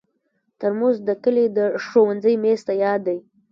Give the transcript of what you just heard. ترموز د کلي د ښوونځي میز ته یاد دی.